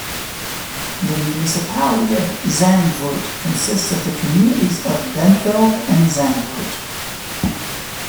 The municipality of Zandvoort consists of the communities of Bentveld and Zandvoort.